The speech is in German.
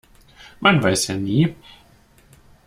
Man weiß ja nie.